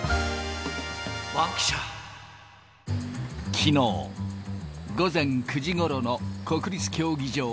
きのう午前９時ごろの国立競